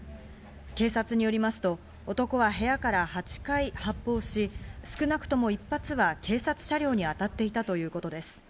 警察によりますと、男は部屋から８回発砲し、少なくとも１発は警察車両に当たっていたということです。